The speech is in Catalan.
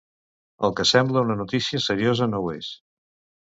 El que sembla una notícia seriosa no ho és.